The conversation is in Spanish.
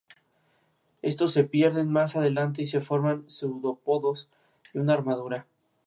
Estos se pierden más adelante y se forman seudópodos y una armadura.